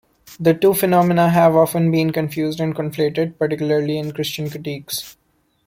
The two phenomena have often being confused and conflated, particularly in Christian critiques.